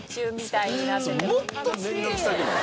それもっと面倒くさくない？